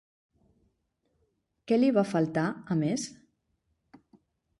Què li va faltar a Més?